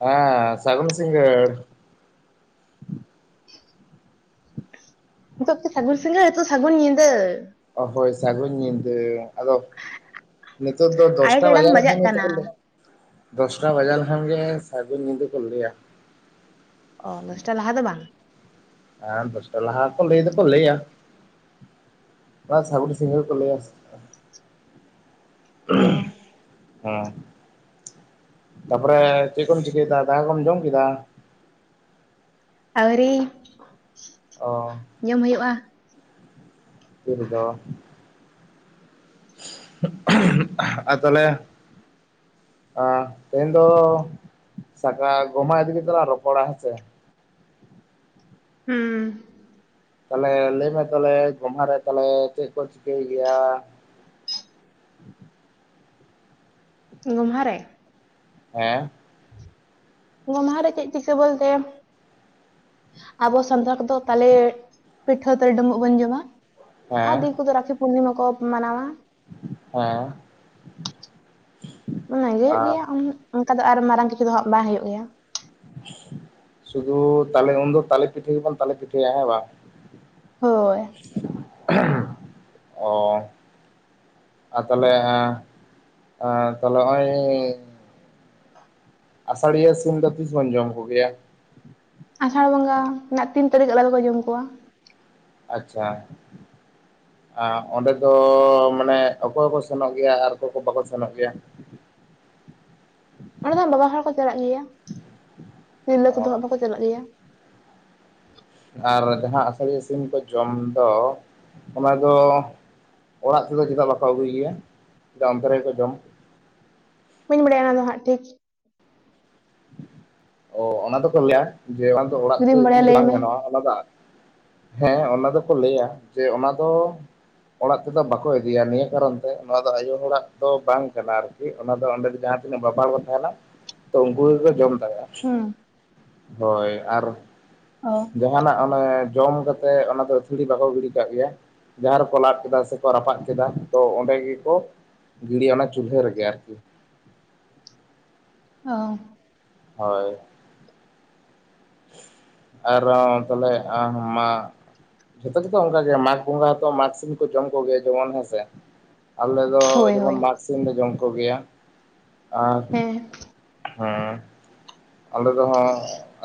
ᱦᱮᱸ ᱥᱟᱹᱜᱩᱱ ᱥᱤᱸᱜᱟᱹᱲ [unintelligible] ᱦ ᱱᱤᱛᱟ. ᱜ ᱥᱟᱹᱜᱩᱱ ᱥᱤᱸᱜᱟᱹᱲ ᱥᱮ ᱥᱟᱹᱜᱩᱱ ᱧᱤᱫᱟᱹ ᱚ ᱦᱳᱭ ᱥᱟᱹᱜᱩᱱ ᱧᱤᱫᱟᱹ ᱟᱫᱚ ᱱᱤᱛᱚᱜᱜ ᱫᱚ ᱫᱚᱥ ᱟᱲᱟᱭ ᱴᱟ ᱴᱟᱲᱟᱝ ᱵᱟᱡᱟᱣ ᱞᱮᱱᱠᱷᱟᱱ ᱵᱟᱡᱟᱜ ᱜᱮ ᱛᱚ ᱠᱟᱱᱟ ᱠᱚ ᱞᱟᱹᱭᱟ ᱫᱚᱥ ᱴᱟ ᱵᱟᱡᱟᱣ ᱞᱮᱠᱷᱟᱱ ᱜᱮ ᱥᱟᱹᱜᱩᱱ ᱧᱤᱫᱟᱹ ᱠᱚ ᱞᱟᱹᱭᱟ ᱚ ᱫᱚᱥ ᱴᱟ ᱞᱟᱦᱟ ᱫᱚ ᱵᱟᱝ? ᱦᱮᱸ ᱫᱚᱥ ᱴᱟ ᱞᱟᱦᱟ ᱠᱚ ᱞᱟᱹᱭ ᱫᱚᱠᱚ ᱞᱟᱹᱭᱟ ᱚᱱᱟ ᱥᱟᱹᱜᱩᱱ ᱥᱤᱸᱜᱟᱹᱲ ᱠᱚ ᱞᱟᱹᱭᱟ ᱚᱸ ᱚ [unintelligible] ᱦᱚᱸ ᱛᱟᱨᱯᱚᱨᱮ ᱪᱮᱫ ᱠᱚᱢ ᱪᱤᱠᱟᱹᱭᱫᱟ ᱫᱟᱠᱟ ᱠᱚᱢ ᱡᱚᱢ ᱠᱮᱫᱟ? ᱟᱣᱹᱨᱤ ᱚ ᱡᱚᱢ ᱦᱩᱭᱩᱜᱼᱟ ᱛᱤᱱ ᱨᱮᱫᱚ? ᱟᱫᱚ ᱞᱮ ᱚᱸ ᱛᱮᱦᱮᱧ ᱫᱚ ᱥᱟᱠᱟ ᱜᱚᱢᱦᱟ ᱤᱫᱤ ᱠᱟᱛᱮ ᱞᱟᱝ ᱨᱚᱯᱚᱲ ᱟ ᱦᱮᱸ ᱪᱮ ᱦᱮᱸ ᱛᱟᱦᱞᱮ ᱞᱟᱹᱭ ᱢᱮ ᱛᱚᱞᱮ ᱜᱚᱢᱦᱟ ᱨᱮ ᱛᱟᱦᱞᱮ ᱪᱮᱫ ᱠᱚ ᱪᱤᱠᱟᱹᱭᱟ? [inaudible] ᱜᱚᱢᱦᱟ ᱨᱮ ᱦᱮᱸ ᱜᱚᱢᱦᱟ ᱨᱮ ᱪᱮᱫ ᱪᱤᱠᱟᱹ ᱵᱚᱞᱛᱮ? ᱟᱵᱚ ᱥᱟᱱᱛᱟᱲ ᱠᱚᱫᱚ ᱛᱟᱦᱟᱞᱮ ᱯᱤᱴᱷᱟᱹ ᱛᱮ ᱰᱩᱢᱵᱩᱜ ᱵᱚᱱ ᱡᱚᱢᱟ ᱟᱨ ᱦᱮᱸ ᱫᱤᱠᱩ ᱫᱚ ᱨᱟᱠᱷᱤ ᱯᱩᱨᱱᱤᱢᱟ ᱠᱚ ᱢᱟᱱᱟᱶᱟ ᱦᱮᱸ ᱚᱱᱟᱜᱮ ᱦᱩᱭᱩᱜ ᱟᱨ ᱜᱮᱭᱟ ᱚᱱᱠᱟ ᱫᱚ ᱟᱨ ᱢᱟᱨᱟᱝ ᱠᱤᱪᱷᱩ ᱫᱚ ᱦᱟᱸᱜ ᱵᱟᱝ ᱦᱩᱭᱩᱜ ᱜᱮᱭᱟ ᱛᱟᱦᱚᱞᱮ ᱩᱱ ᱫᱚ ᱛᱟᱦᱮ ᱯᱤᱴᱷ ᱜᱮᱵᱟᱱ ᱛᱟᱦᱮ ᱯᱤᱴᱷᱟᱹᱭᱟ ᱦᱮᱸ ᱵᱟᱝ ᱦᱳᱭ ᱚ ᱟᱨ ᱛᱟᱦᱞᱮ ᱱᱚᱜᱼᱚᱭ ᱟᱥᱟᱲᱤᱭᱟᱹ ᱥᱤᱢ ᱫᱚ ᱛᱤᱥ ᱵᱚᱱ ᱡᱚᱢ ᱠᱚᱜᱮᱭᱟ ᱟᱥᱟᱲ ᱵᱚᱸᱜᱟ ᱨᱮᱱᱟᱜ ᱛᱤᱱ ᱛᱟᱹᱨᱤᱠᱷ ᱟᱞᱮ ᱫᱚᱠᱚ ᱡᱚᱢ ᱠᱚᱣᱟ ᱟᱪᱪᱷᱟ ᱚᱸᱰᱮ ᱫᱚ ᱢᱟᱱᱮ ᱚᱠᱚᱭ ᱠᱚᱠᱚ ᱥᱮᱱᱚᱜ ᱜᱮᱭᱟ ᱟᱨ ᱚᱠᱚᱭ ᱠᱚ ᱵᱟᱠᱚ ᱥᱮᱱᱚᱜ ᱜᱮᱭᱟ [inaudible] ᱚᱸᱰᱮ ᱫᱚ ᱵᱟᱵᱟ ᱦᱚᱲ ᱠᱚ ᱪᱟᱞᱟᱜ ᱜᱮᱭᱟ ᱛᱤᱨᱞᱟᱹ ᱠᱚ ᱫᱚᱚᱜ ᱚ ᱵᱟᱠᱚ ᱪᱟᱞᱟᱜ ᱜᱮᱭᱟ ᱟᱨ ᱡᱟᱦᱟᱸ ᱟᱥᱟᱲᱤ ᱥᱤᱢ ᱠᱚ ᱡᱚᱢ ᱫᱚ ᱚᱱᱟ ᱫᱚ ᱚᱲᱟᱜ ᱛᱮᱫᱚ ᱪᱮᱫᱟᱜ ᱵᱟᱠᱚ ᱟᱹᱜᱩᱭ ᱜᱮᱭᱟᱮᱫᱟᱜ ᱚᱱᱛᱮ ᱨᱮᱜᱠᱚ ᱡᱚᱢ ᱵᱟᱹᱧ ᱵᱟᱲᱟᱭᱟ ᱚᱱᱟ ᱫᱚ ᱦᱟᱸᱜ ᱴᱷᱤᱠ ᱚ ᱚᱱᱟ ᱫᱚᱠᱚ ᱞᱟᱹᱭᱟ ᱡᱮ ᱚᱱᱟ ᱫᱚ ᱚᱲᱟᱜ ᱡᱩᱫᱤᱢ ᱤᱫᱤ ᱵᱟᱲᱟᱭᱟ ᱫᱚ ᱞᱟᱹᱭ ᱵᱟᱝ ᱢᱮ ᱜᱟᱱᱚᱜᱼᱟ ᱚᱱᱟ ᱫᱚ ᱦᱮᱸ ᱚᱱᱟ ᱫᱚᱠᱚ ᱞᱟᱹᱭᱟ ᱡᱮ ᱚᱱᱟ ᱫᱚ ᱚᱲᱟᱜ ᱛᱮᱫᱚ ᱵᱟᱠᱚ ᱤᱫᱤᱭᱟ ᱱᱤᱭᱟᱹ ᱠᱟᱨᱚᱱ ᱛᱮ ᱱᱚᱣᱟ ᱫᱚ ᱟᱭᱩ ᱦᱚᱲᱟᱜ ᱫᱚ ᱵᱟᱝ ᱠᱟᱱᱟ ᱟᱨᱠᱤ ᱚᱱᱟ ᱫᱚ ᱚᱸᱰᱮ ᱫᱚ ᱡᱟᱦᱟᱸ ᱛᱤᱱᱟᱹᱜ ᱵᱟᱵᱟ ᱵᱚᱱ ᱛᱟᱦᱮᱸᱱᱟ ᱛᱚ ᱩᱱᱠᱩᱜᱮ ᱠᱚ ᱡᱚᱢ ᱫᱟᱲᱮᱭᱟᱜᱟ ᱦᱩᱸ ᱦᱳᱭ ᱟᱨ ᱚ ᱡᱟᱦᱟᱸᱱᱟᱜ ᱚᱱᱮ ᱡᱚᱢ ᱠᱟᱛᱮᱫ ᱚᱱᱟ ᱫᱚ ᱛᱷᱩᱲᱤ ᱵᱟᱠᱚ ᱜᱤᱰᱤ ᱠᱟᱜ ᱜᱮᱭᱟ ᱡᱟᱸᱦᱟ ᱨᱮᱠᱚ ᱞᱟᱫ ᱠᱮᱫᱟ ᱥᱮᱠᱚ ᱨᱟᱯᱟᱜ ᱠᱮᱫᱟ ᱛᱚ ᱚᱱᱰᱮ ᱜᱮᱠᱚ ᱜᱤᱲᱤ ᱚᱱᱟ ᱪᱩᱞᱦᱟᱹ ᱨᱮᱜᱮ ᱟᱨᱠᱤ ᱚ ᱦᱳᱭ ᱟᱨᱚ ᱛᱟᱦᱞᱮ ᱢᱟ ᱡᱷᱚᱛᱚ ᱜᱮᱚᱛᱚ ᱚᱱᱠᱟᱜᱮ ᱢᱟᱜᱽ ᱵᱚᱸᱜᱟ ᱦᱛᱚ ᱢᱟᱜᱽ ᱥᱤᱢ ᱠᱚ ᱡᱚᱢ ᱠᱚᱜᱮᱭᱟ ᱡᱮᱢᱚᱱ ᱦᱮᱸᱥᱮ ᱟᱞᱮ ᱫᱚ ᱦᱳᱭ ᱡᱮᱢᱚᱱ ᱦᱳᱭ ᱢᱟᱜᱽ ᱥᱤᱢᱞ ᱞᱮ ᱡᱚᱢ ᱠᱚᱜᱮᱭᱟ ᱟᱨ ᱦᱮᱸ ᱦᱮᱸ ᱟᱞᱮ ᱨᱮᱦᱚᱸ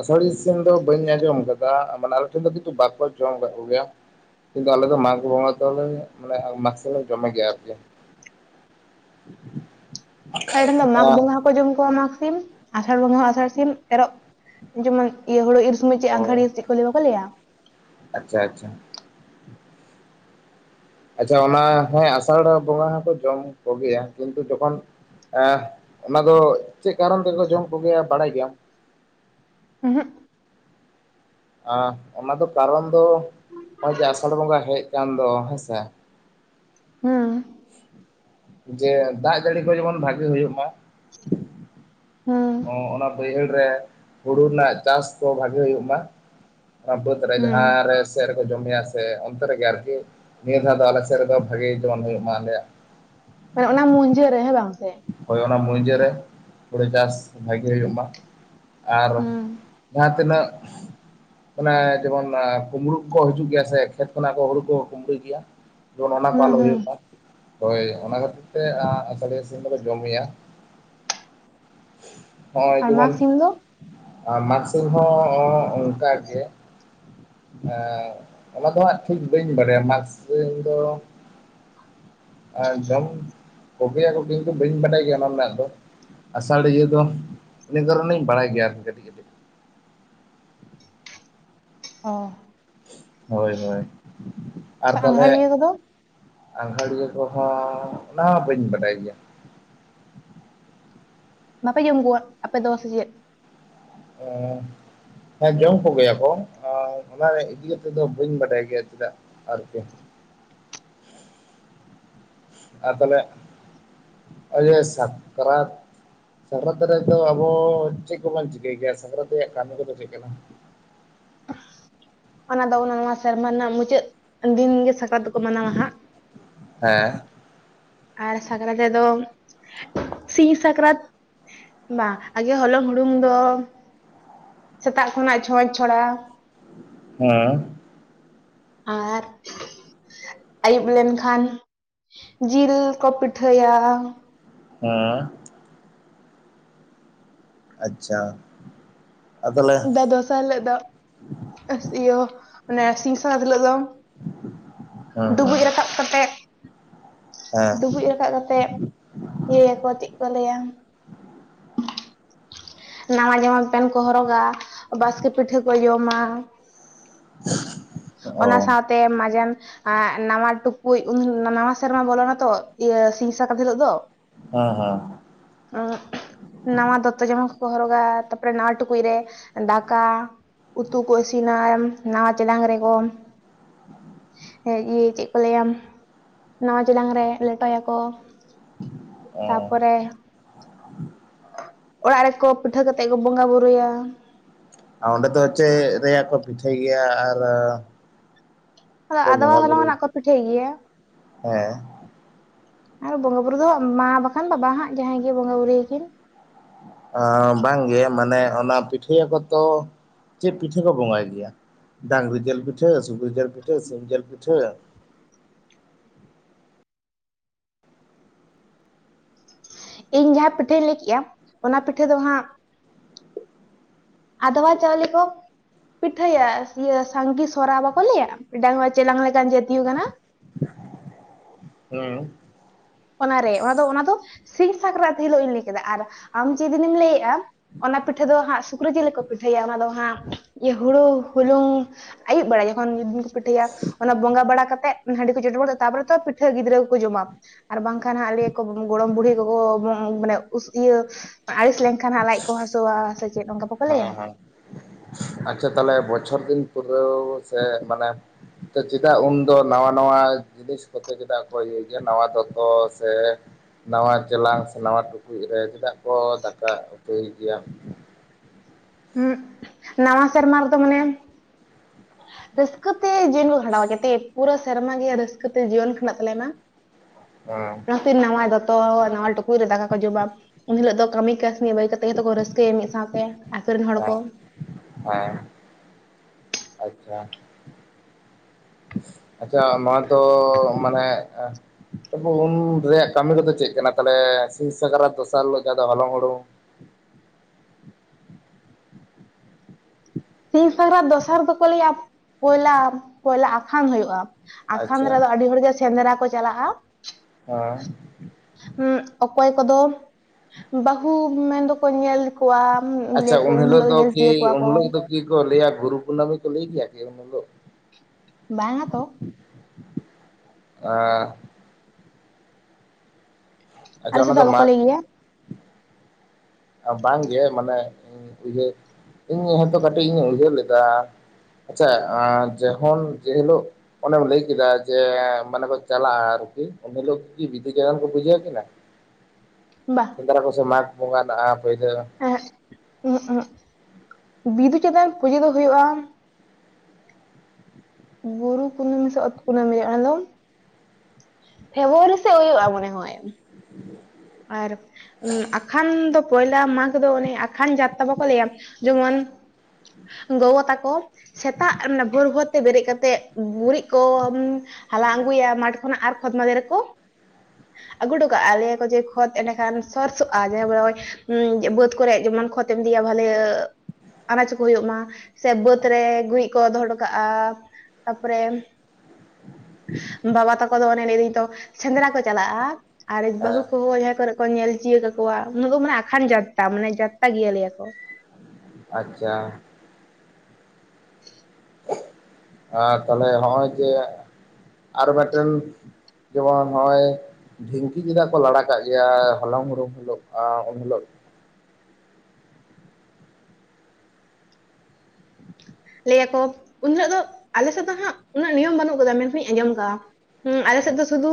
ᱫᱚ ᱵᱟᱹᱧ ᱟᱸᱡᱚᱢ ᱟᱠᱟᱫᱟ ᱢᱟᱱᱮ ᱟᱞᱮ ᱴᱷᱮᱱ ᱫᱚ ᱠᱤᱱᱛᱩ ᱵᱟᱠᱚ ᱡᱚᱢ ᱟᱠᱟᱫ ᱠᱚᱜᱮᱭᱟ ᱠᱤᱱᱛᱩ ᱟᱞᱮ ᱫᱚ ᱢᱟᱜᱷ ᱵᱚᱸᱜᱟ ᱫᱚᱞᱮ ᱢᱟᱥ ᱫᱚᱞᱮ ᱡᱚᱢᱟ ᱜᱮᱭᱟ ᱟᱨᱠᱤ [inaudible] ᱟᱞᱮ ᱨᱮᱱ ᱫᱚ ᱢᱟᱜᱽ ᱵᱚᱸᱜᱟ ᱦᱚᱸᱠᱚ ᱡᱚᱢ ᱠᱚᱣᱟ ᱢᱟᱜᱽ ᱥᱤᱢ ᱟᱥᱟᱲ ᱵᱚᱸᱜᱟ ᱟᱥᱟᱲ ᱥᱤᱢ ᱮᱨᱚᱜ ᱡᱮᱢᱚᱱ ᱤᱭᱟᱹ ᱦᱩᱲᱩ ᱤᱨ ᱥᱚᱢᱚᱭ ᱪᱮᱫ ᱚ ᱟᱸᱜᱷᱟᱲᱤᱭᱟᱹ ᱪᱮᱫ ᱠᱚ ᱞᱟᱹᱭ ᱵᱟᱠᱚ ᱞᱟᱹᱭᱟ ᱟᱪᱪᱷᱟ [inaudible] ᱟᱪᱪᱷᱟ ᱚᱱᱟ ᱦᱮᱸ ᱟᱥᱟᱲ ᱵᱚᱸᱜᱟ ᱦᱚᱸᱠᱚ ᱡᱚᱢ ᱠᱚᱜᱮᱭᱟ ᱠᱤᱱᱛᱩ ᱡᱚᱠᱷᱚᱱ ᱮᱸ ᱚᱱᱟ ᱫᱚ ᱪᱮᱫ ᱠᱟᱨᱚᱱ ᱛᱮᱠᱚ ᱡᱚᱢ ᱠᱚᱜᱮᱭᱟ ᱵᱟᱲᱟᱭ ᱜᱮᱭᱟᱢ ᱦᱮᱸ ᱦᱮᱸ ᱚᱱᱟ ᱫᱚ ᱠᱟᱨᱚᱱ ᱫᱚ ᱱᱚᱜᱼᱚᱭ ᱡᱮ ᱟᱥᱟᱲ ᱵᱚᱸᱜᱟ ᱦᱮᱡ ᱟᱠ ᱫᱚ ᱦᱮᱸᱥᱮ ᱦᱮᱸ ᱡᱮ ᱫᱟᱜ ᱡᱟᱹᱲᱤ ᱠᱚ ᱡᱮᱢᱚᱱ ᱵᱷᱟᱜᱮ ᱦᱩᱭᱩᱜ ᱢᱟ ᱦᱩᱸ ᱚᱱᱟ ᱵᱟᱹᱭᱦᱟᱹᱲᱨᱮ ᱦᱩᱲᱩ ᱨᱮᱱᱟᱜ ᱪᱟᱥ ᱠᱚ ᱵᱷᱟᱜᱮ ᱦᱩᱭᱩᱜ ᱢᱟ ᱟᱵᱩᱚᱛ ᱨᱮ ᱦᱩᱸ ᱦᱸ ᱥᱮ ᱡᱚᱢᱮᱭᱟ ᱥᱮ ᱚᱱᱛᱮ ᱨᱮᱜᱮ ᱟᱨᱠᱤ ᱱᱤᱭᱟᱹ ᱫᱷᱟᱣ ᱫᱚ ᱟᱞᱮ ᱥᱮᱫ ᱨᱮᱫᱚ ᱵᱷᱟᱜᱮ ᱡᱮᱚᱱ ᱦ ᱦᱩᱭᱩᱜ ᱢᱟ ᱟᱞᱮᱭᱟᱜ ᱦᱮ ᱚᱱᱟ ᱢᱤᱠᱟ ᱨᱮ ᱦᱮᱸ ᱵᱟᱝ ᱥᱮ ᱦᱳᱭ ᱚᱱᱟ ᱢᱩᱡᱟᱹᱨ ᱨᱮ ᱛᱲᱮ ᱪᱟᱥ ᱵᱷᱟᱜᱮ ᱦᱩᱭᱩᱜᱳ ᱢᱟ ᱟᱨ ᱦᱩᱸ ᱡᱟᱦᱟᱸ ᱛᱤᱱᱟᱹᱜ ᱚᱱᱟ ᱡᱮᱢᱚᱱ ᱠᱳᱢᱵᱽᱲᱩ ᱠᱚ ᱦᱤᱡᱩᱜ ᱜᱮᱭᱟ ᱥᱮ ᱠᱷᱮᱛ ᱠᱷᱚᱱᱟᱜ ᱠᱚ ᱦᱩᱲᱩ ᱠᱚ ᱠᱩᱳᱸᱵᱽᱲᱩ ᱜᱮᱭᱟ ᱚᱱᱟ ᱠᱚ ᱦᱩᱸ ᱟᱞᱚ ᱦᱩᱸ ᱦᱩᱭᱩᱜᱼᱟ ᱦᱳᱭ ᱚᱱᱟ ᱠᱷᱟᱹᱛᱤᱨ ᱛᱮ ᱟᱥᱤ ᱡᱚᱢ ᱫᱚᱞᱮ ᱡᱚᱢᱜᱮᱭᱟ ᱟᱨ ᱢᱟᱜᱽ ᱥᱤᱢ ᱫᱚ ᱟᱨ ᱢᱟᱜᱥᱤᱢ ᱦᱚᱸ ᱚᱱᱠᱟ ᱜᱮ ᱦᱮᱸ ᱚᱱᱟ ᱫᱚ ᱦᱟᱸᱜ ᱴᱷᱤᱠ ᱵᱟᱹᱧ ᱵᱟᱲᱟᱭᱟ ᱢᱟᱜᱥᱤᱢ ᱫᱚ ᱟᱨ ᱡᱚᱢ ᱠᱚᱜᱮᱟᱜ ᱠᱚ ᱤᱧ ᱫᱚ ᱵᱟᱹᱧ ᱵᱟᱰᱟᱭ ᱜᱮᱭᱟ ᱚᱱᱟ ᱨᱮᱱᱟᱜ ᱫᱚ ᱟᱥᱟᱲᱤᱭᱟᱹ ᱫᱚ ᱤᱱᱟᱹ ᱠᱟᱨᱚᱱᱤᱧ ᱵᱟᱲᱟᱭ ᱜᱮᱭᱟ ᱟᱨᱠᱤ ᱠᱟᱹᱴᱤᱡ ᱠᱟᱹᱴᱤᱡ ᱦᱚᱸ ᱦᱳᱭ ᱦᱳᱭ ᱟᱨ ᱛᱟᱦᱚᱞᱮ ᱟᱸᱜᱷᱟᱲᱤᱭᱟᱹ ᱠᱚᱫᱚ ᱟᱸᱜᱷᱟᱲᱤᱭᱟᱹ ᱠᱚᱦᱚᱸ ᱚᱱᱟ ᱦᱚᱸ ᱵᱟᱹᱧ ᱵᱟᱰᱟᱭ ᱜᱮᱭᱟ [unintelligible] ᱟᱯᱮ ᱫᱚᱥ ᱪᱮᱫ ᱚ ᱦᱮᱸ ᱡᱚᱢ ᱠᱚᱜᱮᱭᱟᱠᱚ ᱚᱱᱟ ᱤᱫᱤ ᱠᱟᱛᱮᱜ ᱫᱚ ᱵᱟᱹᱧ ᱵᱟᱰᱟᱭ ᱜᱮᱭᱟ ᱪᱮᱫᱟᱜ ᱟᱨᱠᱤ [unintelligible] ᱟᱨ ᱛᱟᱦᱚᱞᱮ ᱤᱭᱟᱹ ᱥᱟᱠᱨᱟᱛ ᱥᱟᱠᱨᱟᱛ ᱨᱮᱫᱚ ᱟᱵᱚ ᱪᱮᱫ ᱠᱚᱵᱚᱱ ᱪᱤᱠᱟᱹᱭ ᱜᱮᱭᱟ ᱥᱟᱠᱨᱟᱛ ᱨᱮᱭᱟᱜ ᱠᱟᱹᱢᱤ ᱠᱚᱫᱚ ᱪᱮᱫ ᱠᱟᱱᱟ? [unintelligible] ᱚᱱᱟ ᱫᱚ ᱚᱱᱟ ᱱᱚᱣᱟ ᱥᱮᱨᱢᱟ ᱨᱮᱱᱟᱜ ᱢᱩᱪᱟᱹᱫ ᱫᱤᱱ ᱜᱮ ᱥᱟᱠᱨᱟᱛᱠᱚ ᱢᱟᱱᱟᱣᱟ ᱦᱟᱸᱜ ᱦᱮᱸ ᱟᱨ ᱥᱟᱠᱨᱟᱛ ᱨᱮᱫᱚ ᱥᱤᱝ ᱥᱟᱠᱨᱟᱛ ᱵᱟᱝ ᱟᱜᱮ ᱦᱚᱞᱚᱝ ᱦᱩᱲᱩᱝ ᱫᱚ ᱥᱮᱛᱟᱜ ᱠᱷᱚᱱᱟᱜ ᱪᱷᱚᱸᱪ ᱪᱷᱚᱲᱟ ᱦᱮᱸ ᱟᱨ ᱟᱹᱭᱩᱵ ᱞᱮᱱᱠᱷᱟᱱ ᱡᱤᱞ ᱠᱚ ᱯᱤᱴᱷᱟᱹᱭᱟ᱾ ᱦᱮᱸ ᱟᱪᱪᱷᱟ ᱟᱨ ᱛᱟᱦᱚᱞᱮ ᱫᱚᱥᱟᱨ ᱦᱤᱞᱳᱜ ᱫᱚ ᱤᱭᱟᱹ ᱚᱱᱮ ᱥᱤᱝ ᱥᱟᱠᱨᱟᱛ ᱦᱤᱞᱚᱜ ᱫᱚ ᱦᱮᱸ ᱰᱩᱵᱩᱡ ᱦᱮᱸ ᱨᱟᱠᱟᱵ ᱠᱟᱛᱮ ᱦᱮᱸ ᱰᱩᱵᱩᱡ ᱨᱟᱠᱟᱵ ᱠᱟᱛᱮᱜ ᱤᱭᱟᱹᱭᱟᱠᱚ ᱪᱮᱫ ᱠᱚ ᱞᱟᱹᱭᱟ ᱱᱟᱣᱟ ᱡᱟᱢᱟ ᱯᱮᱱ ᱠᱚ ᱦᱚᱨᱚᱜᱟ ᱵᱟᱥᱠᱮ ᱯᱤᱴᱷᱟᱹ ᱠᱚ ᱡᱚᱢᱟ᱾ [unintelligible] ᱚᱱᱟ ᱚ ᱥᱟᱶᱛᱮ ᱢᱟᱡᱟᱱ ᱱᱟᱣᱟ ᱴᱩᱠᱼᱼ ᱠᱳᱭ ᱩᱱ ᱱᱟᱣᱟ ᱥᱮᱨᱢᱟ ᱵᱚᱞᱚᱱᱟ ᱛᱚ ᱤᱭᱟᱹ ᱥᱤᱧ ᱥᱟᱠᱟᱛ ᱦᱤᱞᱳ ᱫᱚ᱾ ᱦᱮᱸ ᱦᱮᱸ ᱩᱸ ᱱᱟᱣᱟ ᱫᱚᱛᱚ ᱡᱟᱢᱟ ᱦᱚᱨᱚᱜᱟ ᱛᱟᱨᱯᱚᱨᱮ ᱱᱟ ᱴᱩᱠᱩᱡ ᱨᱮ ᱰᱟᱠᱟ ᱩᱛᱩ ᱠᱚ ᱤᱥᱤᱱᱟ ᱱᱟᱣᱟ ᱪᱮᱞᱟᱝ ᱨᱮᱠᱚ ᱤᱭᱟᱹ ᱪᱮᱫ ᱠᱚ ᱞᱮᱭᱟ ᱱᱟᱣᱟ ᱪᱮᱞᱟᱝ ᱨᱮ ᱞᱮᱴᱚᱭᱟᱠᱚ᱾ ᱦᱮᱸ ᱛᱟᱯᱚᱨᱮ ᱚᱲᱟᱜ ᱨᱮᱠᱚ ᱯᱤᱴᱷᱟᱹ ᱠᱟᱛᱮᱫ ᱠᱚ ᱵᱚᱸᱜᱟᱵᱩᱨᱩᱭᱟ᱾ ᱚᱸᱰᱮ ᱫᱚ ᱪᱮᱫ ᱨᱮᱭᱟᱜ ᱠᱚ ᱯᱤᱴᱷᱟᱹᱭ ᱜᱮᱭᱟ ᱟᱨ ᱟᱫᱚ ᱠᱚ ᱵᱚᱸᱜᱟ ᱟᱫᱚᱣᱟ ᱦᱚᱞᱚᱝ ᱵᱩᱨᱩᱭ ᱱᱟᱜ ᱠᱚ ᱯᱤᱴᱷᱟᱹᱭ ᱜᱮᱭᱟ᱾ ᱦᱮᱸ ᱟᱨ ᱵᱚᱸᱜᱟᱼ ᱵᱩᱨᱩ ᱫᱚᱟᱸ ᱢᱟ ᱵᱟᱠᱷᱟᱱ ᱵᱟᱵᱟ ᱦᱟᱸᱜ ᱡᱟᱦᱟᱸᱭ ᱜᱮ ᱵᱚᱸᱜᱟᱼ ᱵᱩᱨᱩᱩᱭᱭᱟᱠᱤᱱ᱾ ᱵᱟᱝᱜᱮ ᱢᱟᱱᱮ ᱚᱱᱟ ᱯᱤᱴᱷᱟᱹᱭᱟᱠᱚ ᱛᱚ ᱪᱮᱫ ᱯᱤᱴᱷᱟᱹ ᱠᱚ ᱵᱚᱸᱜᱟᱭ ᱜᱮᱭᱟ? ᱰᱟᱝᱨᱤ ᱡᱤᱞ ᱯᱤᱴᱷᱟᱹ ᱥᱩᱠᱨᱤ ᱡᱤᱞ ᱯᱤᱴᱷᱟᱹ ᱥᱤᱢ ᱡᱤᱞ ᱯᱤᱴᱷᱟᱹ ᱤᱧ ᱡᱟᱦᱟᱸ ᱯᱤᱴᱷᱟᱹᱧ ᱞᱟᱹᱭ ᱠᱮᱜᱼᱟ ᱚᱱᱟ ᱯᱤᱴᱷᱟᱹ ᱫᱚ ᱦᱟᱸᱜ ᱟᱫᱚᱣᱟ ᱪᱟᱣᱞᱮ ᱠᱚ᱾ ᱯᱤᱴᱷᱟᱹᱭᱟ ᱤᱭᱟᱹ ᱥᱟᱸᱝᱜᱤ ᱥᱚᱨᱟ ᱵᱟᱠᱚ ᱞᱟᱹᱭᱟ ᱰᱟᱝ ᱪᱮᱞᱟᱝ ᱞᱮᱠᱟᱱ ᱡᱟᱹᱛᱤ ᱠᱟᱱᱟ ᱦᱮᱸ ᱚᱱᱟᱨᱮ ᱚᱱᱟ ᱫᱚ ᱚᱱᱟ ᱫᱚ ᱥᱤᱧ ᱥᱟᱠᱨᱟᱛ ᱦᱤᱞᱳᱜ ᱤᱧ ᱞᱟᱹᱭ ᱠᱮᱫᱟ ᱟᱨ ᱟᱢ ᱡᱮᱫᱤᱱᱮᱢ ᱞᱟᱹᱭᱮᱜᱼᱟ᱾ ᱚᱱᱟ ᱯᱤᱴᱷᱟᱹ ᱫᱚ ᱦᱟᱸᱜ ᱥᱩᱠᱨᱤ ᱡᱤᱞᱮ ᱠᱚ ᱯᱤᱴᱷᱟᱹᱭᱟ ᱚᱱᱟ ᱫᱚ ᱦᱟᱸᱜ ᱤᱭᱟᱹ ᱦᱩᱲᱩ ᱦᱩᱩᱞᱩᱝ ᱟᱹᱭᱩᱵ ᱵᱮᱲᱟ ᱡᱚᱠᱷᱚᱱ ᱯᱤᱴᱷᱟᱹᱭᱟ ᱚᱱᱟ ᱵᱚᱸᱜᱟ ᱵᱟᱲᱟ ᱠᱟᱛᱮᱫ ᱦᱟᱺᱰᱤ ᱠᱚ ᱪᱚᱰᱚᱨ ᱛᱟᱯᱚᱨᱮ ᱛᱚ ᱯᱤᱴᱷᱟᱹ ᱜᱤᱫᱽᱨᱟᱹ ᱠᱚᱠᱚ ᱡᱚᱢᱟ᱾ ᱟᱨ ᱵᱟᱝᱠᱷᱟᱱ ᱦᱟᱜ ᱞᱟᱹᱭ ᱟᱠᱚ ᱜᱚᱲᱚᱢ ᱵᱩᱲᱦᱤ ᱜᱚᱜᱚ ᱢᱟᱱᱮ ᱤᱭᱟᱹ ᱟᱭᱤᱥ ᱞᱮᱱ ᱮᱠᱷᱟᱱ ᱦᱟᱸ ᱞᱟᱡ ᱠᱚ ᱦᱟᱹᱥᱩᱣᱟ ᱥᱮ ᱪᱮᱫ ᱚᱱᱠᱟ ᱵᱟᱠᱚ ᱞᱟᱹᱭᱟ ᱦᱮᱸ ᱦᱮᱸ ᱟᱪᱪᱷᱟ ᱛᱟᱦᱚᱞᱮ ᱵᱚᱪᱷᱚᱨ ᱫᱤᱱ ᱯᱩᱨᱟᱹᱣ ᱥᱮ ᱢᱟᱱᱮ ᱪᱮᱫᱟᱜ ᱩᱱᱫᱚ ᱱᱟᱣᱟ ᱱᱟᱣᱟ ᱡᱤᱱᱤᱥ ᱠᱚᱛᱮ ᱪᱮᱫᱟᱜ ᱠᱚ ᱤᱭᱟᱹᱭ ᱜᱮᱭᱟ ᱱᱟᱣᱟ ᱫᱚᱛᱚ ᱥᱮ ᱱᱟᱣᱟ ᱪᱮᱞᱟᱝ ᱥᱮ ᱱᱟᱣᱟ ᱴᱩᱠᱩᱡ ᱨᱮ ᱪᱮᱫᱟᱜ ᱠᱚ ᱫᱟᱠᱟ ᱩᱛᱩᱭ ᱜᱮᱭᱟ? ᱦᱮᱸ ᱱᱟᱣᱟ ᱥᱮᱨᱢᱟ ᱨᱮᱫᱚ ᱢᱟᱱᱮ ᱨᱟᱹᱥᱠᱟᱹᱛᱮ ᱡᱤᱭᱚᱱ ᱠᱚ ᱠᱷᱟᱸᱰᱟᱣ ᱠᱟᱛᱮ ᱯᱩᱨᱟᱹ ᱥᱮᱨᱢᱟ ᱜᱮ ᱨᱟᱹᱥᱠᱟᱹ ᱛᱮ ᱡᱤᱭᱚᱱ ᱠᱷᱟᱸᱰᱟᱜ ᱛᱟᱞᱮ ᱢᱟ ᱦᱮᱸ ᱚᱱᱟᱛᱮ ᱱᱟᱣᱟ ᱫᱚᱛᱚ ᱱᱟᱣᱟ ᱴᱩᱠᱩᱡ ᱨᱮ ᱫᱟᱠᱟ ᱠᱚ ᱡᱚᱢᱟ ᱩᱱ ᱦᱤᱞᱳᱜ ᱫᱚ ᱠᱟᱹᱢᱤ ᱠᱟ ᱠᱟᱢᱤ ᱵᱟᱹᱜᱤ ᱠᱟᱛᱮ ᱠᱟᱛᱮ ᱠᱚ ᱨᱟᱹᱥᱠᱟᱹᱭᱟ ᱢᱤᱫ ᱥᱟᱶᱛᱮ ᱟᱠᱚ ᱨᱮᱱ ᱦᱚᱲ ᱠᱚ ᱦᱮᱸ ᱦᱮᱸ ᱟᱪᱪᱷᱟ ᱟᱪᱪᱷᱟ ᱱᱚᱣᱟ ᱫᱚ ᱢᱟᱱᱮ ᱛᱚᱵᱮ ᱩᱱ ᱨᱮᱭᱟᱜ ᱠᱟᱹᱢᱤ ᱠᱚᱫᱚ ᱪᱮᱫ ᱠᱟᱱᱟ ᱛᱟᱦᱚᱞᱮ ᱥᱤᱧ ᱥᱟᱠᱨᱟᱛ ᱫᱚᱥᱟᱨ ᱦᱤᱞᱳ ᱡᱟᱦᱟᱸ ᱫᱚ ᱦᱚᱞᱚᱝ ᱦᱩᱲᱩᱝ [inaudible] ᱥᱤᱧ ᱥᱟᱠᱨᱟᱛ ᱫᱚᱥᱟᱨ ᱫᱚᱠᱚ ᱞᱟᱹᱭᱟ ᱯᱩᱭᱞᱟ ᱯᱚᱭᱞᱟ ᱟᱠᱷᱟᱱ ᱦᱩᱭᱩᱜᱼᱟ᱾ ᱟᱠᱷᱟᱱ ᱟᱪᱪᱷᱟ ᱨᱮᱫᱚ ᱟᱹᱰᱤ ᱦᱚᱲᱜᱮ ᱥᱮᱸᱫᱽᱨᱟ ᱠᱚ ᱪᱟᱞᱟᱜᱼᱟ᱾ ᱦᱮᱸ ᱚᱠᱚᱭ ᱠᱚᱫᱚ ᱵᱟᱹᱦᱩ ᱢᱮᱱ ᱫᱚᱠᱚ ᱧᱮᱞ ᱠᱚ ᱠᱚᱣᱟᱢ ᱟᱪᱪᱷᱟ ᱞᱟᱹᱭ ᱠᱚ ᱩᱱ ᱦᱤᱞᱳᱜ ᱫᱚ ᱧᱮᱞᱤᱫᱤ ᱠᱤ ᱠᱚᱣᱟ ᱩᱱ ᱠᱚ ᱦᱤᱞᱳᱜ ᱫᱚ ᱠᱤ ᱞᱟᱹᱭᱟ ᱜᱩᱨᱩ ᱠᱩᱱᱟᱹᱢᱤ ᱠᱚ ᱞᱟᱹᱭ ᱜᱮᱭᱟ ᱠᱮ ᱩᱱ ᱫᱚ ᱵᱟᱝ ᱟ ᱛᱚ ᱟᱨ ᱟᱪᱪᱷᱟ ᱟᱞᱮ ᱚᱱᱟ ᱥᱮᱫ ᱫᱚ ᱵᱟᱠᱚ ᱢᱟᱜᱽ ᱞᱟᱹᱭ ᱜᱮᱭᱟ᱾ ᱵᱟᱝᱜᱮ ᱢᱟᱱᱮ ᱩᱭᱦᱟᱹᱨ ᱤᱧ ᱦᱚᱛᱚ ᱠᱟᱹᱴᱤᱡ ᱤᱧ ᱩᱭᱦᱟᱹᱨ ᱞᱮᱫᱟ ᱟᱪᱪᱷᱟ ᱡᱚᱠᱷᱚᱱ ᱡᱮᱦᱤᱞᱳᱜ ᱚᱱᱮᱢ ᱞᱟᱹᱭ ᱠᱮᱫᱟ ᱡᱮ ᱢᱟᱱᱮ ᱠᱚ ᱪᱟᱞᱟᱜᱼᱟ ᱟᱨ ᱮᱱ ᱦᱤᱞᱚᱜ ᱠᱤ ᱵᱤᱫᱩ ᱪᱟᱸᱫᱟᱱ ᱠᱚ ᱯᱩᱡᱟᱹᱣ ᱠᱤᱱᱟᱹ ᱥᱮᱸᱫᱽᱨᱟ ᱠᱚ ᱥᱮ ᱢᱟᱜᱽ ᱵᱚᱸᱜᱟ ᱯᱳᱭᱞᱳ ᱮ ᱮᱸᱜ ᱵᱤᱫᱩ ᱪᱟᱸᱫᱟᱱ ᱯᱩᱡᱟᱹ ᱫᱚ ᱦᱩᱭᱩᱜᱼᱟ᱾ ᱵᱩᱨᱩ ᱠᱩᱱᱟᱹᱢᱤ ᱥᱮ ᱚᱛ ᱠᱩᱱᱟᱹᱢᱤ ᱨᱮ ᱚᱱᱟ ᱫᱚ ᱯᱷᱮᱵᱨᱩᱣᱟᱨᱤ ᱥᱮᱡ ᱦᱩᱭᱩᱜᱼᱟ ᱢᱚᱱᱮ ᱦᱚᱭ ᱟᱨ ᱩᱢ, ᱟᱠᱷᱟᱱ ᱫᱚ ᱯᱚᱭᱞᱟ ᱢᱟᱜᱽ ᱫᱚ ᱚᱱᱮ ᱟᱠᱷᱟᱱ ᱡᱟᱛ ᱛᱟ ᱵᱟᱠᱚ ᱞᱟᱹᱭᱟ ᱡᱮᱢᱚᱱ ᱜᱚᱜᱚ ᱛᱟᱠᱚ ᱥᱮᱛᱟᱜ ᱵᱷᱳᱨ ᱵᱷᱳᱨ ᱛᱮ ᱵᱮᱨᱮᱫ ᱠᱟᱛᱮᱮᱫ ᱜᱩᱨᱤᱡ ᱠᱚ ᱦᱟᱞᱟᱝ ᱟᱹᱜᱩᱭᱟ ᱢᱟᱴᱷ ᱠᱷᱚᱱᱟᱜ ᱟᱨ ᱠᱷᱚᱫ ᱢᱟᱫᱮ ᱨᱮᱠᱚ ᱟᱹᱜᱩ ᱦᱚᱴᱚ ᱠᱟᱜᱼᱟ ᱞᱟᱹᱭ ᱟᱠᱚ ᱡᱮ ᱠᱷᱚᱛ ᱮᱸᱰᱮᱠᱷᱟᱱ ᱥᱟᱨᱥᱚᱜᱼᱟ ᱡᱮ ᱵᱟᱹᱫᱽ ᱠᱚᱨᱮᱜ ᱡᱮᱢᱚᱱ ᱠᱷᱚᱛ ᱮᱢ ᱤᱫᱤᱭᱟ ᱵᱷᱟᱹᱞᱮ ᱟᱱᱟᱡ ᱠᱚ ᱦᱩᱭᱩᱜ ᱢᱟ ᱥᱮ ᱵᱟᱹᱫᱽ ᱨᱮ ᱜᱩᱨᱤᱡ ᱠᱚ ᱫᱚᱦᱚ ᱦᱚᱴᱚ ᱠᱟᱜᱼᱟ ᱛᱟᱯᱚᱨᱮ ᱵᱟᱵᱟ ᱛᱟᱠᱚ ᱫᱚ ᱚᱱᱮ ᱞᱟᱹᱭ ᱮᱫᱟᱹᱧ ᱛᱚ ᱥᱮᱸᱫᱽᱨᱟ ᱠᱚ ᱪᱟᱞᱟᱜᱼᱟ᱾ ᱟᱨᱮᱡ ᱦᱮᱸ ᱵᱟᱦᱩ ᱡᱟᱦᱟᱸ ᱠᱚᱨᱮ ᱠᱚ ᱧᱮᱞ ᱪᱤᱭᱟᱹ ᱠᱟᱠᱚᱣᱟ ᱩᱱ ᱫᱚ ᱢᱟᱱᱮ ᱟᱠᱷᱟᱱ ᱡᱚᱛᱛᱟ ᱢᱟᱱᱮ ᱡᱚᱛᱛᱟ ᱜᱮᱭᱟ ᱞᱟᱹᱭᱟ ᱠᱚ ᱟᱪᱪᱷᱟ ᱟᱨ ᱛᱟᱦᱞᱮ ᱱᱚᱜᱼᱚᱭ ᱡᱮ ᱟᱨ ᱢᱤᱫᱴᱮᱱ ᱡᱮᱢᱚᱱ ᱱᱚᱜᱼᱚᱭ ᱰᱷᱤᱝᱠᱤ ᱪᱮᱫᱟᱜ ᱠᱚ ᱞᱟᱲᱟ ᱠᱟᱜ ᱜᱮᱭᱟ ᱦᱚᱞᱚᱝ ᱦᱩᱲᱩᱝ ᱦᱤᱞᱳᱜᱼᱟ ᱩᱱ ᱦᱤᱞᱳᱜ [inaudible] ᱞᱟᱹᱭᱟᱠᱚ ᱩᱱ ᱦᱤᱞᱳᱜ ᱫᱚ ᱟᱞᱮ ᱥᱮᱫ ᱫᱚ ᱦᱟᱸᱜ ᱩᱱᱟᱹᱜ ᱱᱤᱭᱚᱢ ᱵᱟᱹᱱᱩᱜ ᱠᱟᱫᱟ ᱢᱮᱱᱠᱷᱟᱱ ᱤᱧ ᱟᱸᱡᱚᱢ ᱟᱠᱟᱜᱼᱟ᱾ ᱦᱩᱸ ᱟᱞᱮ ᱦᱮᱸ ᱥᱮᱫ ᱫᱚ ᱥᱩᱫᱷᱩ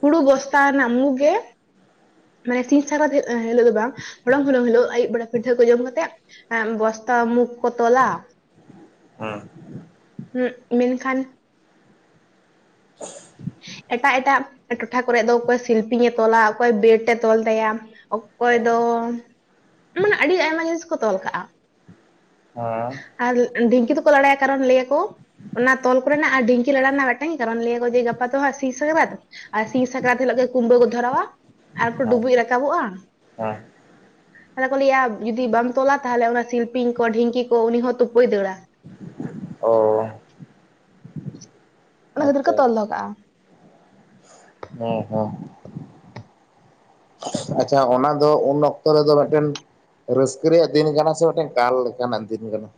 ᱦᱩᱲᱩ ᱵᱚᱥᱛᱟ ᱨᱮᱱᱟ ᱢᱩ ᱜᱮ ᱢᱟᱱᱮ ᱥᱤᱧ ᱥᱟᱠᱨᱟᱛ ᱦᱤᱞᱳᱜ ᱫᱚ ᱵᱟᱝ ᱦᱚᱞᱚᱝ ᱦᱩᱲᱩᱝ ᱦᱤᱞᱳᱜ ᱟᱹᱭᱩᱵ ᱵᱮᱲᱟ ᱯᱤᱴᱷᱟᱹ ᱠᱚ ᱡᱚᱢ ᱠᱟᱛᱮ ᱵᱚᱥ ᱢᱩᱠ ᱠᱚ ᱛᱚᱞᱟ ᱦᱮᱸ ᱦᱩᱸ ᱢᱮᱱᱠᱷᱟᱱ ᱮᱴᱟᱜ ᱮᱴᱟᱜ ᱴᱚᱴᱷᱟ ᱠᱚᱨᱮ ᱫᱚ ᱚᱠᱚᱭ ᱥᱤᱞᱯᱤᱧ ᱮ ᱛᱚᱞᱟ ᱚᱠᱚᱭ ᱵᱮᱴ ᱮ ᱛᱚᱞ ᱛᱟᱭᱟ ᱚᱠᱚᱭ ᱫᱚ ᱢᱟᱱᱮ ᱟᱹᱰᱤ ᱟᱭᱢᱟ ᱡᱤᱱᱤᱥ ᱠᱚ ᱛᱚᱞ ᱠᱟᱜᱼᱟ᱾ ᱦᱟᱸ ᱟᱨ ᱰᱷᱤᱝᱠᱤ ᱫᱚᱠᱚ ᱞᱟᱲᱟᱭᱟ ᱠᱟᱨᱚᱱ ᱞᱟᱹᱭᱟᱠᱚ ᱚᱱᱟ ᱛᱚᱞ ᱠᱚᱨᱮᱱᱟᱜ ᱟᱨ ᱰᱷᱤᱝᱠᱤ ᱨᱟᱲᱟ ᱨᱮᱱᱟᱜ ᱢᱤᱫᱴᱟᱝ ᱠᱟᱨᱚᱱ ᱞᱟᱹᱭᱟᱠᱚ ᱡᱮ ᱜᱟᱯᱟ ᱫᱚ ᱦᱟᱸᱜ ᱥᱤ ᱥᱟᱠᱨᱟᱛ ᱟᱨ ᱥᱤᱝᱥᱟᱠᱨᱟᱛ ᱦᱤᱞᱚᱜ ᱜᱮ ᱠᱩᱢᱵᱷᱟᱹ ᱠᱚ ᱫᱷᱚᱨᱟᱣᱟ ᱟᱨᱠᱚ ᱦᱮᱸ ᱰᱩᱵᱩᱡ ᱨᱟᱠᱟᱵᱚᱜᱼᱟ ᱦᱮᱸ ᱛᱟᱦᱚᱞᱮ ᱠᱚ ᱞᱮᱭᱟ ᱡᱩᱫᱤ ᱵᱟᱢ ᱛᱚᱞᱟ ᱛᱟᱦᱚᱞᱮ ᱚᱱᱟ ᱥᱤᱞᱯᱤᱧ ᱠᱚ ᱰᱷᱤᱝᱠᱤ ᱠᱚ ᱩᱱᱤ ᱦᱚᱸ ᱛᱩᱯᱩᱭ ᱫᱟᱹᱲᱟ ᱚ ᱚᱱᱟ ᱠᱷᱟᱹᱛᱤᱨ ᱠᱚ ᱟᱪᱪᱷᱟ ᱛᱚᱞ ᱫᱚᱦᱚ ᱠᱟᱜᱼᱟ ᱦᱮᱸ ᱦᱮᱸ ᱟᱪᱪᱷᱟ ᱚᱱᱟ ᱫᱚ ᱩᱱ ᱚᱠᱛᱚ ᱨᱮᱫᱚ ᱢᱤᱫᱴᱮᱱ ᱨᱟᱹᱥᱠᱟᱹ ᱨᱮᱭᱟᱜ ᱫᱤᱱ ᱠᱟᱱᱟ ᱥᱮ ᱢᱤᱫᱴᱮᱱ ᱠᱟᱞ ᱞᱮᱠᱟᱱᱟᱜ ᱫᱤᱱ ᱠᱟᱱᱟ [inaudible]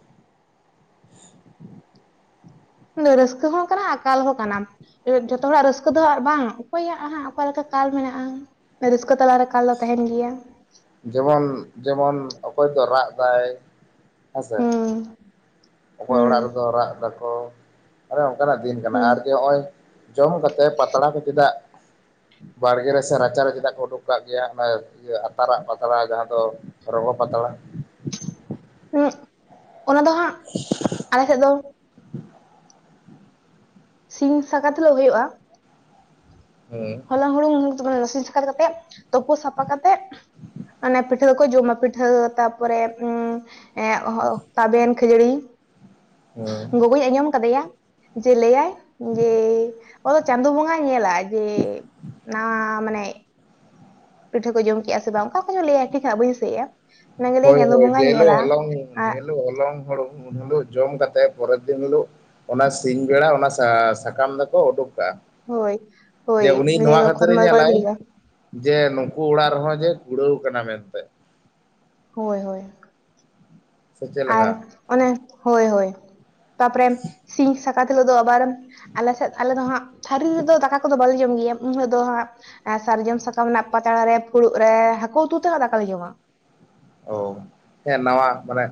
ᱨᱟᱹᱥᱠᱟᱹ ᱦᱚᱸ ᱠᱟᱱᱟ ᱟ ᱠᱟᱞ ᱦᱚᱸ ᱠᱟᱱᱟ ᱡᱷᱚᱛᱚ ᱦᱚᱲᱟᱜ ᱨᱟᱹᱥᱠᱟᱹ ᱫᱚᱦᱟᱸ ᱟᱨ ᱵᱟᱝ ᱚᱠᱚᱭᱟᱜ ᱦᱟᱸᱜ ᱚᱠᱟ ᱞᱮᱠᱟ ᱠᱟᱞ ᱢᱮᱱᱟᱜᱼᱟ ᱨᱟᱹᱥᱠᱟᱹ ᱛᱟᱞᱟᱨᱮ ᱠᱟᱞ ᱫᱚ ᱛᱟᱦᱮᱱ ᱜᱮᱭᱟ ᱡᱮᱢᱚᱱ ᱡᱮᱢᱚᱱ ᱚᱠᱚᱭ ᱫᱚ ᱨᱟᱜ ᱫᱟᱭ ᱦᱮᱸᱥᱮ ᱦᱩᱸ ᱚᱠᱚᱭ ᱦᱩᱸ ᱚᱲᱟᱜ ᱨᱮᱫᱚ ᱨᱟᱜ ᱫᱟᱠᱚ ᱚᱱᱮ ᱚᱱᱠᱟᱱᱟᱜ ᱫᱤᱱ ᱠᱟᱱᱟ ᱦᱩᱸ ᱟᱨ ᱡᱮ ᱱᱚᱜ ᱚᱭ ᱡᱚᱢ ᱠᱟᱛᱮᱫ ᱯᱟᱛᱲᱟ ᱠᱚ ᱪᱮᱫᱟᱜ ᱵᱟᱲᱜᱮ ᱨᱮᱥᱮ ᱨᱟᱪᱟᱨᱮ ᱪᱮᱫᱟᱜ ᱠᱚ ᱩᱰᱩᱠ ᱠᱟᱜ ᱜᱮᱭᱟ ᱚᱱᱟ ᱟᱛᱟᱨᱟᱜ ᱯᱟᱛᱲᱟ ᱡᱟᱦᱟᱸ ᱫᱚ ᱚ ᱯᱟᱛᱟᱲᱟ ᱚᱱᱟ ᱫᱚ ᱦᱟᱸᱜ ᱟᱞᱮ ᱥᱮᱫ ᱫᱚ ᱥᱤᱧ ᱥᱟᱠᱟᱛ ᱦᱤᱞᱳᱜ ᱦᱩᱭᱩᱜᱼᱟ ᱦᱮᱸ ᱦᱚᱞᱚᱝ ᱦᱩᱲᱩᱝ ᱨᱟᱥᱤᱱ [unintelligible] ᱥᱟᱠᱨᱟᱛ ᱠᱟᱛᱮᱜ ᱛᱩᱯᱩ ᱥᱟᱯᱷᱟ ᱠᱟᱛᱮᱫ ᱚᱱᱮ ᱯᱤᱴᱷᱟᱹ ᱠᱚ ᱡᱚᱢᱟ ᱯᱤᱴᱷᱟᱹ ᱛᱟᱨᱯᱚᱨᱮ ᱮᱜ ᱛᱟᱵᱮᱱ ᱠᱷᱟᱹᱡᱟᱹᱲᱤ ᱦᱮᱸ ᱜᱚᱜᱚᱭ ᱟᱸᱡᱚᱢ ᱠᱟᱫᱮᱭᱟ ᱡᱮ ᱞᱟᱹᱭᱟᱭ ᱡᱮ ᱚᱫᱚ ᱪᱟᱸᱫ ᱵᱚᱸᱜᱟᱭ ᱧᱮᱞᱟ ᱡᱮ ᱱᱟᱣᱟ ᱢᱟᱱᱮ ᱯᱤᱴᱷᱟᱹ ᱠᱚ ᱡᱚᱢ ᱠᱮᱜᱼᱟ ᱥᱮ ᱵᱟᱝ ᱚᱠᱟ ᱠᱚ ᱞᱟᱹᱭᱟ ᱴᱷᱤᱠ ᱱᱟᱦᱟᱜ ᱵᱟᱹᱧ ᱞᱟᱹᱭᱮᱫᱼᱟ ᱦᱳᱭ ᱦᱳᱭ ᱡᱮᱞᱚᱜ ᱦᱚᱞᱚᱝ ᱟᱨ ᱡᱮᱞᱚᱜ ᱦᱚᱞᱚᱝ ᱦᱚᱲᱚᱢ ᱩᱱ ᱦᱤᱞᱚᱜ ᱡᱚᱢ ᱠᱟᱛᱮᱜ ᱯᱚᱨᱮᱨ ᱫᱤᱱ ᱦᱤᱞᱳᱜ ᱚᱱᱟ ᱥᱤᱧ ᱵᱮᱲᱟ ᱚᱱᱟ ᱥᱟᱠᱟᱢ ᱫᱚᱠᱚ ᱩᱰᱩᱠ ᱠᱟ ᱟ ᱦᱳᱭ ᱡᱮ ᱦᱳᱭ ᱩᱱᱤ ᱞᱟᱹᱭ ᱱᱚᱣᱟ ᱟᱠᱚ ᱠᱷᱟᱹᱛᱤᱨᱮ ᱠᱷᱚᱛᱢᱟ ᱠᱚᱭ ᱧᱮᱞᱟᱭ ᱜᱤᱰᱤᱭᱟ ᱡᱮ ᱱᱚᱝᱠᱟ ᱩᱱᱠᱩ ᱚᱲᱟᱜ ᱨᱮᱦᱚᱸ ᱡᱮ ᱠᱩᱲᱟᱹᱣ ᱠᱟᱱᱟ ᱢᱮᱱᱛᱮ ᱦᱳᱭ ᱦᱳᱭ ᱥᱮ ᱪᱮᱫ ᱟᱨ ᱞᱮᱠᱟ ᱚᱱᱮ ᱦᱳᱭ ᱦᱳᱭ ᱛᱟᱯᱚᱨᱮ ᱥᱤᱸᱧ ᱥᱟᱠᱨᱟᱛ ᱦᱤᱞᱳᱜ ᱫᱚ ᱟᱵᱟᱨ ᱟᱞᱮ ᱥᱮᱫ ᱟᱞᱮ ᱫᱚ ᱦᱟᱸᱜ ᱛᱷᱟᱹᱨᱤ ᱨᱮᱫᱚ ᱫᱟᱠᱟ ᱠᱚᱫᱚ ᱵᱟᱞᱮ ᱡᱚᱢ ᱜᱮᱭᱟ ᱩᱱ ᱦᱤᱞᱜ ᱫᱚ ᱦᱟᱸᱜ ᱥᱟᱨᱡᱚᱢ ᱥᱟᱠᱟᱢ ᱨᱮᱱᱟᱜ ᱯᱟᱛᱲᱟ ᱨᱮ ᱯᱷᱩᱲᱩᱜ ᱨᱮ ᱦᱟᱹᱠᱩ ᱩᱛᱩ ᱛᱮᱦᱚᱸ ᱫᱟᱠᱟᱞᱮ ᱡᱚᱢᱟ ᱚ ᱦᱮᱸ ᱱᱟᱣᱟ ᱢᱟᱱᱮ